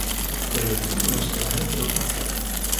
Яе труп знайшлі раніцай у кватэры.